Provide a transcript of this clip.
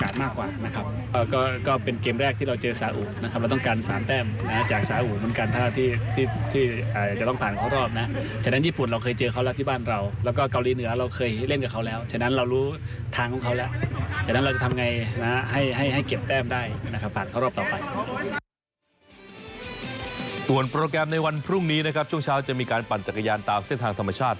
ส่วนโปรแกรมในวันพรุ่งนี้นะครับช่วงเช้าจะมีการปั่นจักรยานตามเส้นทางธรรมชาติ